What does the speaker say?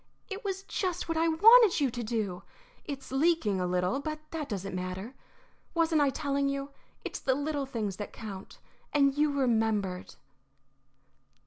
"It was just what I wanted you to do. It's leaking a little, but that doesn't matter. Wasn't I telling you? It's the little things that count. And you remembered."